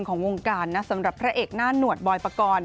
ของวงการนะสำหรับพระเอกหน้าหนวดบอยปกรณ์